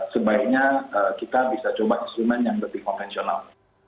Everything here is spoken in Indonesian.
sebaiknya kita bisa coba instrumen yang lebih konvensional